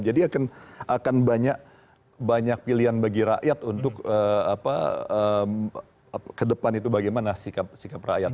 jadi akan banyak pilihan bagi rakyat untuk ke depan itu bagaimana sikap rakyat